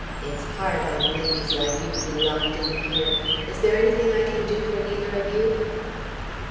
It's hard on ladies like you to be locked in here. Is there anything I can do for either of you?"